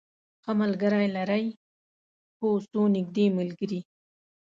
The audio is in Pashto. ښه ملګری لرئ؟ هو، څو نږدې ملګری